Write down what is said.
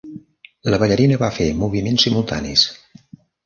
La ballarina va fer moviments simultanis.